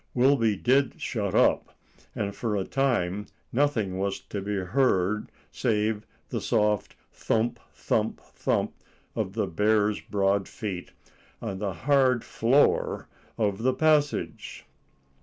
Wilby did shut up, and for a time nothing was to be heard save the soft thump, thump, thump of the bear's broad feet on the hard floor of the passage.